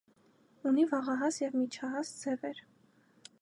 Ունի վաղահաս և միջահաս ձևեր։